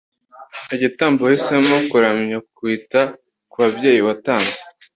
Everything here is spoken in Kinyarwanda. Igitambo wahisemo kuramya, Kwita kubabyeyi watanze,